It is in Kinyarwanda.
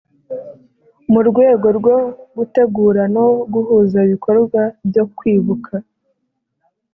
Mu rwego rwo gutegura no guhuza ibikorwa byo kwibuka